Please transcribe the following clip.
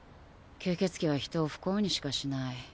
吸血鬼は人を不幸にしかしない。